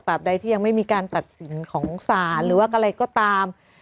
ใดที่ยังไม่มีการตัดสินของศาลหรือว่าอะไรก็ตาม